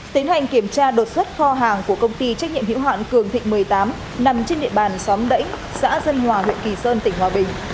tiến hành kiểm tra đột xuất kho hàng của công ty trách nhiệm hữu hoạn cường thịnh một mươi tám nằm trên địa bàn xóm đảnh xã dân hòa huyện kỳ sơn tỉnh hòa bình